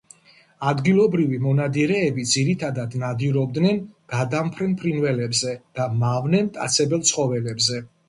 ადგილობრივი მონადირეები ძირითადად ნადირობდნენ გადამფრენ ფრინველებზე და მავნე მტაცებელ ცხოველებზე.